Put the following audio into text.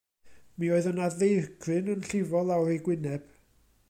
Mi oedd yna ddeigryn yn llifo lawr ei gwyneb.